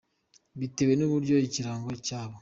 bitewe n’uburyo ikirango cyabo.